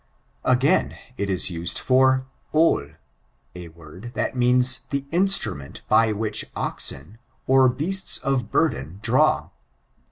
Again, it is used for 01, a word that means the instru ment by which oxen, or beasts of burden, draw.